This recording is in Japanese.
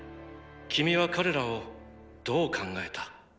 君は彼らをどう考えた？